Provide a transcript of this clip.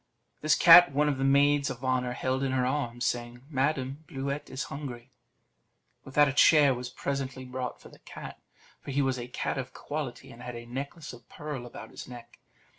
This cat one of the maids of honour held in her arms, saying, "Madam, Bluet is hungry!" With that a chair was presently brought for the cat; for he was a cat of quality, and had a necklace of pearl about his neck.